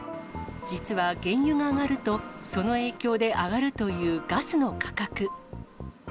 実は原油が上がると、その影響で上がるというガスの価格。